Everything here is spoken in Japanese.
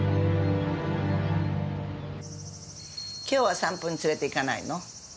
今日は散歩に連れていかないの？